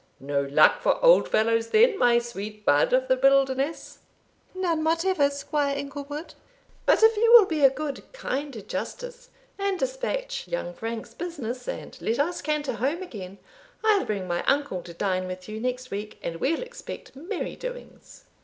no luck for old fellows, then, my sweet bud of the wilderness?" "None whatever, Squire Inglewood; but if you will be a good kind Justice, and despatch young Frank's business, and let us canter home again, I'll bring my uncle to dine with you next week, and we'll expect merry doings."